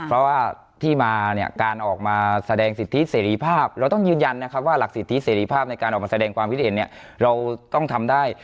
เพราะว่าที่มาเนี่ยการออกมาแสดงสิทธิเสรีภาพเราต้องยืนยันนะครับว่าหลักสิทธิเสรีภาพในการออกมาแสดงความคิดเห็นเนี่ยเราต้องทำได้